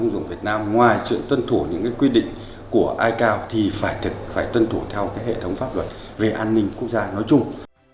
để tuân thủ theo hệ thống pháp luật về an ninh quốc gia nói chung